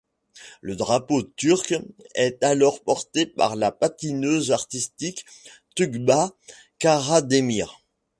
Le drapeau turc est alors porté par la patineuse artistique Tuğba Karademir.